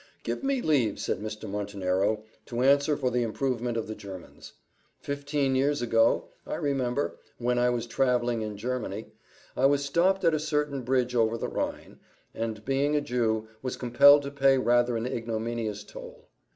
"Give me leave," said Mr. Montenero, "to answer for the improvement of the Germans. Fifteen years ago, I remember, when I was travelling in Germany, I was stopped at a certain bridge over the Rhine, and, being a Jew, was compelled to pay rather an ignominious toll.